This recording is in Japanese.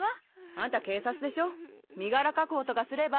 あんた警察でしょ身柄確保とかすれば？